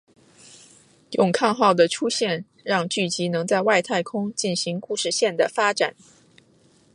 勇抗号的出现让剧集能在外太空进行故事线的发展。